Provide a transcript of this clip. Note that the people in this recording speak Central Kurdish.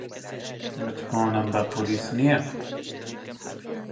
متمانەم بە پۆلیس نییە.